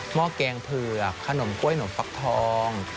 ห้อแกงเผือกขนมกล้วยหนมฟักทอง